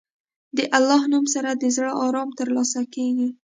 د الله نوم سره د زړه ارام ترلاسه کېږي.